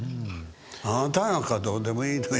あなたなんかどうでもいいのよ。